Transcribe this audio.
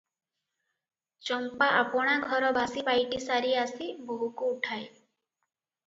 ଚମ୍ପା ଆପଣା ଘର ବାସିପାଇଟି ସାରି ଆସି ବୋହୁକୁ ଉଠାଏ ।